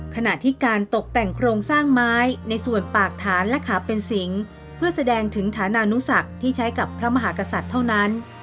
ขณะที่การตกแต่งโครงสร้างไม้ในส่วนปากฐานและขาเป็นสิงเพื่อแสดงถึงฐานานุสักที่ใช้กับพระมหากษัตริย์เท่านั้น